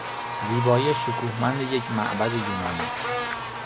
زیبایی شکوهمند یک معبد یونانی